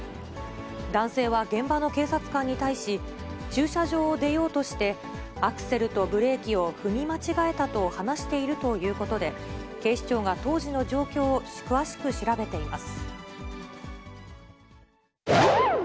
男性は現場の警察官に対し、駐車場を出ようとして、アクセルとブレーキを踏み間違えたと話しているということで、警視庁が当時の状況を詳しく調べています。